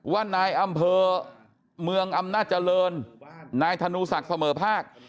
ว่านายอำเภอเมืองอำนาจเจริญนายธนูศักดิ์เสมอภาค